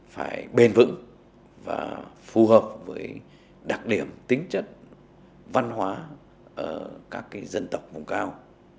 phải bền vững và phù hợp với đặc điểm tính chất văn hóa ở các dân tộc vùng cao